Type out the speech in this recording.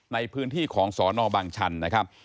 ในพื้นที่ของสนบางชันนะครับ